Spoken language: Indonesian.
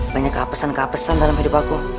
banyak keapesan keapesan dalam hidup aku